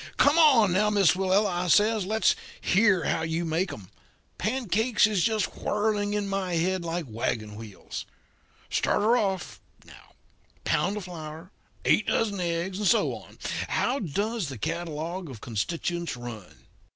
'Come, now, Miss Willella,' I says; 'let's hear how you make 'em. Pancakes is just whirling in my head like wagon wheels. Start her off, now pound of flour, eight dozen eggs, and so on. How does the catalogue of constituents run?'